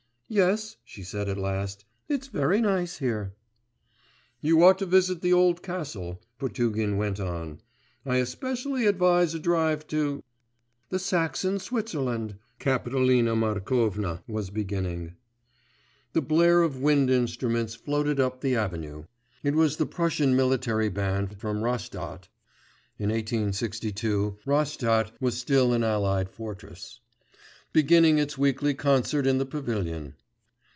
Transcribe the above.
'Yes,' she said at last, 'it's very nice here.' 'You ought to visit the old castle,' Potugin went on; 'I especially advise a drive to ' 'The Saxon Switzerland ' Kapitolina Markovna was beginning. The blare of wind instruments floated up the avenue; it was the Prussian military band from Rastadt (in 1862 Rastadt was still an allied fortress), beginning its weekly concert in the pavilion.